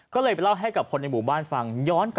ก็เลยไปเล่าให้กับคนในหมู่บ้านฟัง